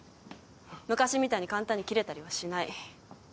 昔みたいに簡単にキレたりはしない。